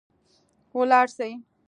ولاړ سئ